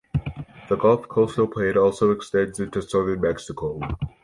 The Gulf Coastal Plain also extends into southern Mexico.